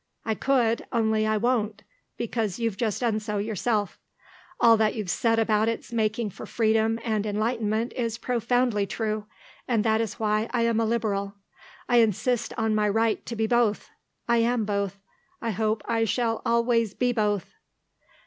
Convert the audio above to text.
I could, only I won't, because you've just done so yourself. All that you've said about its making for freedom and enlightenment is profoundly true, and is why I am a Liberal. I insist on my right to be both. I am both. I hope I shall always be both."